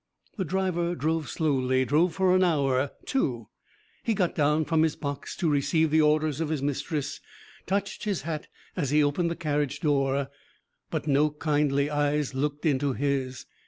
The driver drove slowly drove for an hour two. He got down from his box to receive the orders of his mistress, touched his hat as he opened the carriage door, but no kindly eyes looked into his.